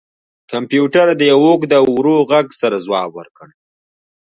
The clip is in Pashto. کمپیوټر د یو اوږد او ورو غږ سره ځواب ورکړ